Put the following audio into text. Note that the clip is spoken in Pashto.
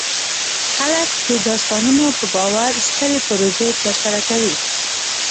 خلک د داستانونو په باور سترې پروژې ترسره کوي.